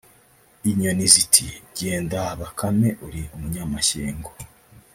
Inyoni ziti “Genda Bakame uri umunyamashyengo